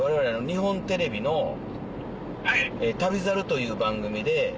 日本テレビの『旅猿』という番組で。